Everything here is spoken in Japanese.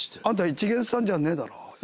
あんた一見さんじゃねえだろ。